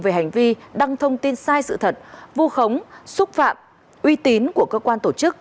về hành vi đăng thông tin sai sự thật vu khống xúc phạm uy tín của cơ quan tổ chức